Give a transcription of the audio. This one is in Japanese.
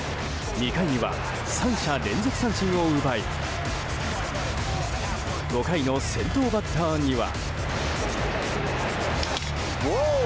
２回には３者連続三振を奪い５回の先頭バッターには。